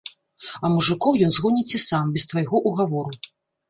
А мужыкоў ён згоніць і сам, без твайго ўгавору.